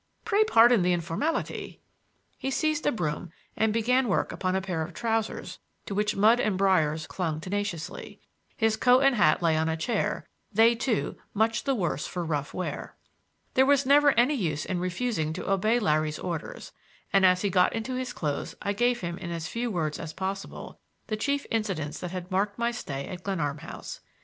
Pray pardon the informality—" He seized a broom and began work upon a pair of trousers to which mud and briers clung tenaciously. His coat and hat lay on a chair, they, too, much the worse for rough wear. There was never any use in refusing to obey Larry's orders, and as he got into his clothes I gave him in as few words as possible the chief incidents that had marked my stay at Glenarm House.